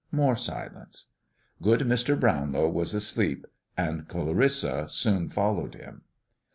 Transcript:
More silence. Good Mr. Brownlow was asleep, and Clarissa soon followed him.